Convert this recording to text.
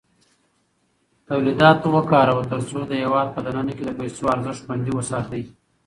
تولیدات وکاروه ترڅو د هېواد په دننه کې د پیسو ارزښت خوندي وساتې.